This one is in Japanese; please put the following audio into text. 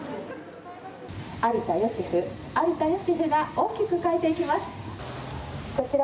有田芳生、有田芳生が大きく変えていきます。